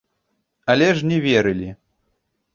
Але ж не верылі.